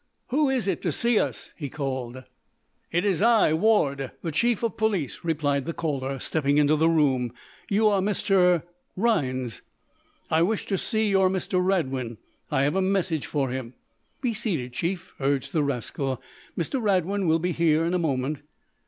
"Who is it to see us?" he called. "It's I, Ward, time Chief of Police," replied the caller, stepping into the room. "You are Mr. " "Rhinds." "I wish to see your Mr. Radwin. I have a message for him." "Be seated, Chief," urged the rascal. "Mr. Radwin will be here in a moment."